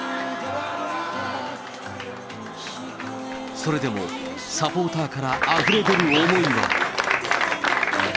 それでも、サポーターからあふれ出る思いは。